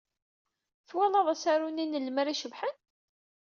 Twalaḍ asaru n Imer icebḥen?